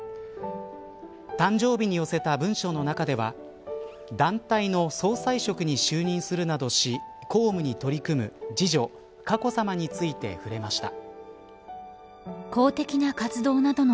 誕生日に寄せた文章の中では団体の総裁職に就任するなどし公務に取り組む次女、佳子さまについて触れました。